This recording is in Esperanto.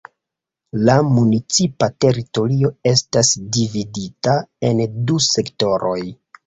La municipa teritorio estas dividita en du sektoroj.